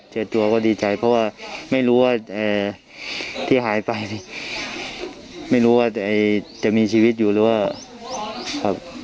เจอตัวก็ดีใจเพราะว่าไม่รู้ว่าที่หายไปไม่รู้ว่าจะมีชีวิตอยู่หรือว่าครับ